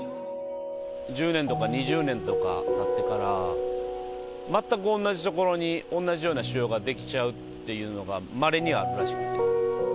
１０年とか２０年とかたってから、全く同じ所に同じような腫ようが出来ちゃうっていうのがまれにあるらしくて。